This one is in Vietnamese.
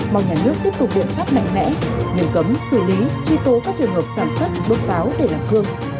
mong nhà nước tiếp tục biện pháp mạnh mẽ nhận cấm xử lý truy tố các trường hợp sản xuất bước pháo để làm cương